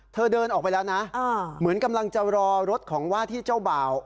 เธอเดินออกไปแล้วนะเหมือนกำลังจะรอรถของว่าที่เจ้าบ่าว